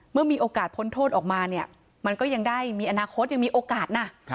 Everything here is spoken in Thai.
เมื่อมีโอกาสพ้นโทษออกมาเนี่ยมันก็ยังได้มีอนาคตยังมีโอกาสนะ